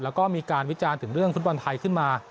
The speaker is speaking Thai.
แล้วก็มีการวิจารณ์ถึงเรื่องฟุตบอลไทยขึ้นมา